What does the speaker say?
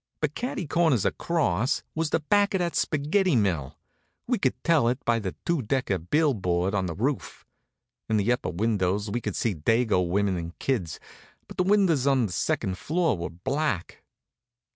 But catty corners across was the back of that spaghetti mill. We could tell it by the two decker bill board on the roof. In the upper windows we could see Dago women and kids, but the windows on the second floor were black.